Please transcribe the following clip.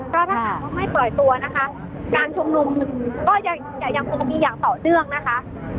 ก็ถ้าหากว่าไม่ปล่อยตัวนะคะการชุมนุมก็จะยังคงมีอย่างต่อเนื่องนะคะ